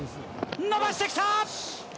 伸ばしてきた！